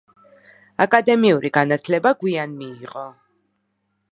აკადემიური განათლება გვიან მიიღო.